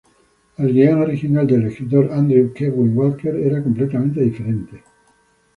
El guion original del escritor Andrew Kevin Walker era completamente diferente.